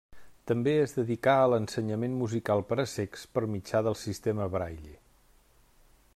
També es dedicà a l'ensenyament musical per a cecs per mitjà del sistema Braille.